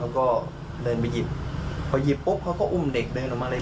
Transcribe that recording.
แล้วก็เดินไปหยิบพอหยิบปุ๊บเขาก็อุ้มเด็กเดินออกมาเลย